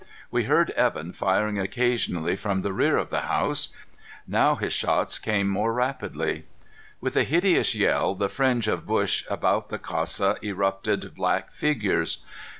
We heard Evan firing occasionally from the rear of the house. Now his shots came more rapidly. With a hideous yell, the fringe of bush about the casa erupted black figures.